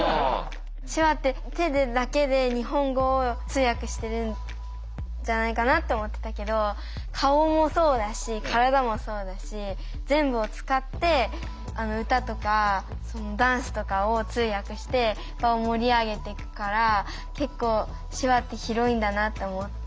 手話って手でだけで日本語を通訳してるんじゃないかなって思ってたけど顔もそうだし体もそうだし全部を使って歌とかダンスとかを通訳して場を盛り上げていくから結構手話って広いんだなって思って。